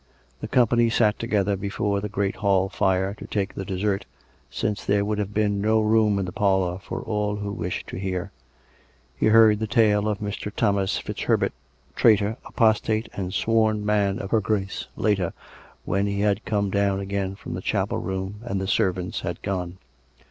The company sat together before the great hall fire, to take the dessert, since there would have been no room in the parlour for all who wished to hear. (He heard 318 COME RACK! COME ROPE! the tale of Mr. Thomas FitzHerbert, traitor, apostate and sworn man of her Grace, later, when he had come down again from the chapel room, and the servants had gone.)